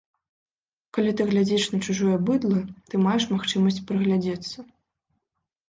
Калі ты глядзіш на чужое быдла, ты маеш магчымасць прыглядзецца.